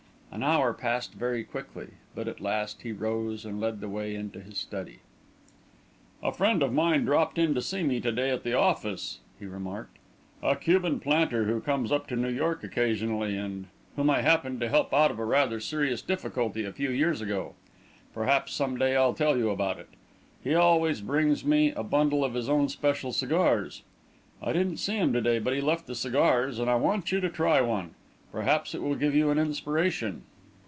An hour passed very quickly, but at last he rose and led the way into his study. "A friend of mine dropped in to see me to day at the office," he remarked, "a Cuban planter who comes up to New York occasionally, and whom I happened to help out of a rather serious difficulty a few years ago. Perhaps some day I'll tell you about it. He always brings me a bundle of his own special cigars. I didn't see him to day, but he left the cigars, and I want you to try one. Perhaps it will give you an inspiration."